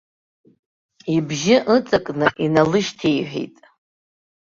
Ибжьы ыҵакны иналышьҭеиҳәеит.